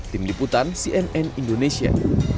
tim liputan cnn indonesia